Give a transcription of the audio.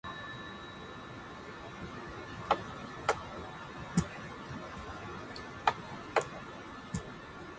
Liu advocates for better working conditions for graduate students and more diversity in science.